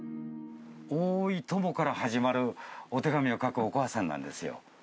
おーい、トモから始まるお手紙を書く、お母さんなんですよ。